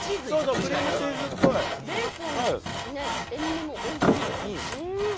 ベーコンの塩みもおいしい。